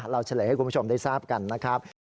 เฉลยให้คุณผู้ชมได้ทราบกันนะครับ